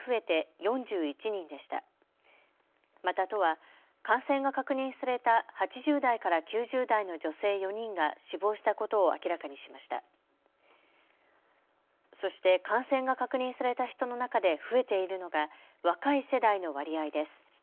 そして感染が確認された人の中で増えているのが若い世代の割合です。